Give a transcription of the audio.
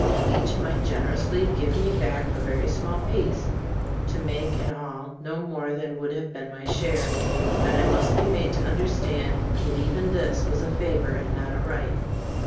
Each might generously give me back a very small piece, to make in all no more than would have been my share, and I must be made to understand that even this was a favor and not a right.